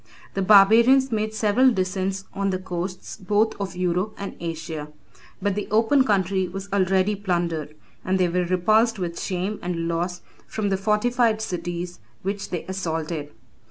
The barbarians made several descents on the coasts both of Europe and Asia; but the open country was already plundered, and they were repulsed with shame and loss from the fortified cities which they assaulted.